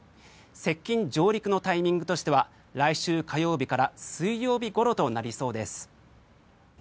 接近・上陸のタイミングとしては来週火曜日から水曜日ごろとなりそうです。